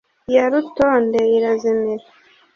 Ya Rutonde irazimira